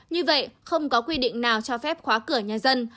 như vậy không có quy định nào cho phép khóa cửa nhà dân